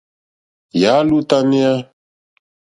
Yà á !lútánéá.